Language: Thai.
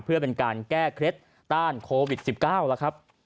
เพื่อเป็นการแก้เคล็ดต้านโควิด๑๙แล้วครับ